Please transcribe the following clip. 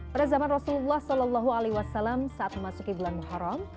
pada zaman rasulullah saw saat memasuki bulan muharram